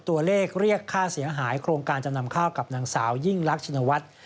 เรียกค่าเสียหายโครงการจำนำข้าวกับนางสาวยิ่งรักชินวัฒน์